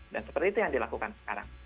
dan seperti itu yang dilakukan sekarang